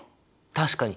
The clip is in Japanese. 確かに！